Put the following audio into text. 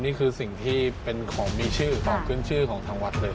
นี่คือสิ่งที่เป็นของมีชื่อของขึ้นชื่อของทางวัดเลย